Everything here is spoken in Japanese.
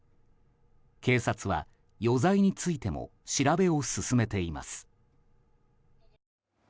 警察は余罪についても調べを進めています。